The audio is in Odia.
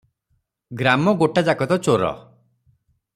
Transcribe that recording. ଗ୍ରାମ ଗୋଟାଯାକ ତ ଚୋର